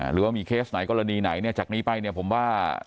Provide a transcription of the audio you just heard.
หรือว่ามีเคสไหนกรณีไหนเนี่ยจากนี้ไปเนี่ยผมว่า